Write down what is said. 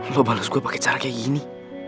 lu bales gua pake cara kayak gini